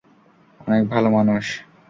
অনেক ভালো মানুষ।